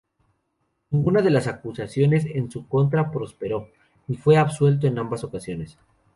Ninguna de las acusaciones en su contra prosperó, y fue absuelto en ambas ocasiones.